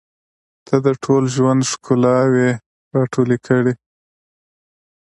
• ته د ټول ژوند ښکلاوې راټولې کړې.